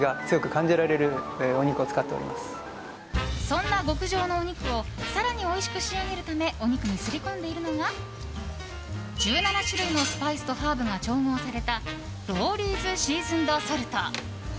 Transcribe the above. そんな極上のお肉を更においしく仕上げるためお肉にすり込んでいるのが１７種類のスパイスとハーブが調合されたロウリーズ・シーズンド・ソルト。